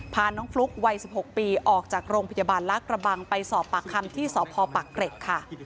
พาน้องฟลุ๊กวัย๑๖ปีออกจากโรงพยาบาลลากระบังไปสอบปากคำที่สพปักเกร็ดค่ะ